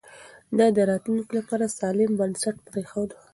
ده د راتلونکي لپاره سالم بنسټ پرېښود.